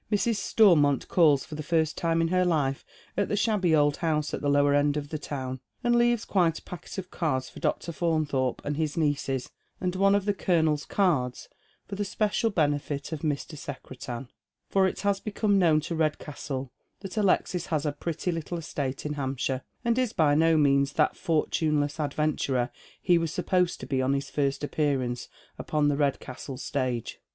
Mrs. Stormont calls for the first time in her life at the shabby old house at the lower end of the town, and leaves quite a packet of cards for Dr. Faunthorpe and his nieces, and one of the Colonel's cards for the special benefit of Mr. Secretan ; for it has become known to Redcastle that Alexis has a pretty little estate in Hampshire, and is by no means that fortuneless adventurer he was supposed to be on his first appearance upon the Redcastle stage.